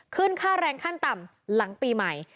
ค่าแรงขั้นต่ำหลังปีใหม่